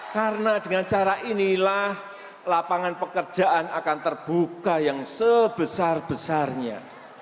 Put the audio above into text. karena dengan cara inilah lapangan pekerjaan akan terbuka yang sebesar besarnya